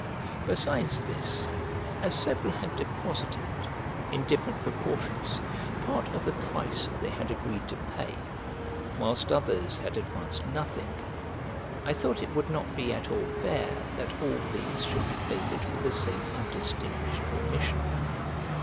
Besides this, as several had deposited, in different proportions, part of the price they had agreed to pay, whilst others had advanced nothing, I thought it would not be at all fair that all these should be favoured with the same undistinguished remission.